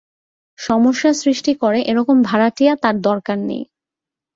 সমস্যার সৃষ্টি করে এরকম ভাড়াটিয়া তার দরকার নেই।